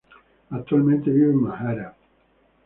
Actualmente vive en Manhattan.